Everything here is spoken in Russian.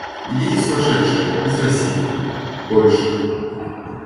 Идите, сумасшедшие, из России, Польши.